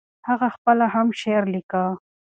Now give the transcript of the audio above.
هغه خپله هم شعر ليکه.